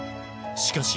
しかし